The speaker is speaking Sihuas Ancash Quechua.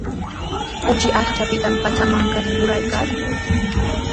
Kuchi aychapitami pachamankata ruraykaayan.